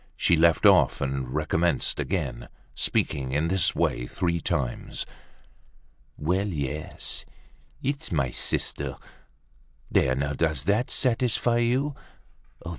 She left off and recommenced again, speaking in this way three times: "Well, yes! it's my sister. There now, does that satisfy you?